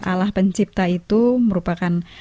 allah pencipta itu merupakan